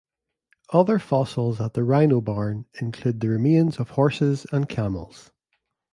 Other fossils at the "Rhino Barn" include the remains of horses and camels.